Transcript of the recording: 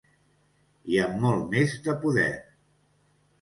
I amb molt més de poder.